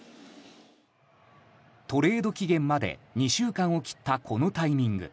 トレード期限まで２週間を切ったこのタイミング。